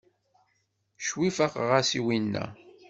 Ccwi faqeɣ-as i winna.